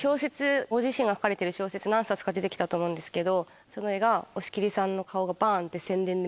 ご自身が書かれてる小説何冊か出て来たと思うんですけどそれが押切さんの顔がバンって。